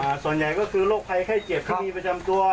อ่าส่วนใหญ่ก็คือโรคภัยแค่เจ็บที่มีประจำตัวครับนั่นล่ะ